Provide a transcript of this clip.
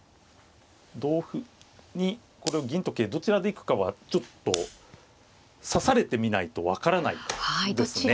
同歩にこれを銀と桂どちらで行くかはちょっと指されてみないと分からないですね。